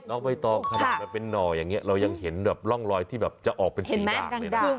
ใบตองขนาดมันเป็นหน่ออย่างนี้เรายังเห็นแบบร่องรอยที่แบบจะออกเป็นสีดางเลยนะ